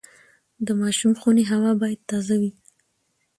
د ماشوم خونې هوا باید تازه وي۔